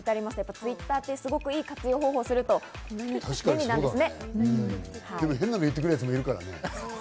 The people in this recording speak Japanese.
Ｔｗｉｔｔｅｒってすごくいい活用方法を変なのを言ってくるやつもいるからね。